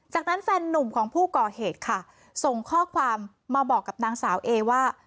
จากนั้นแฟนนุ่มของผู้ก่อเหตุค่ะส่งข้อความมาบอกกับนางสาวเอว่า